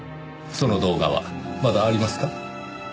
その動画はまだありますか？